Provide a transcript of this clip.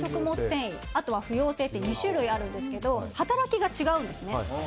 繊維あとは不溶性って２種類あるんですけど働きが違うんですね。